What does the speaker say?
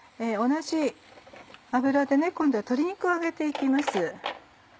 同じ油で今度は鶏肉を揚げて行きます。